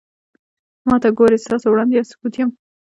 ما ته گورې ستاسو وړاندې يو ثبوت يم